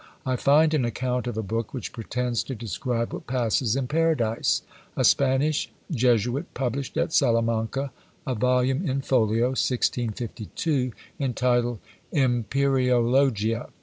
I find an account of a book which pretends to describe what passes in Paradise. A Spanish Jesuit published at Salamanca a volume in folio, 1652, entitled Empyreologia.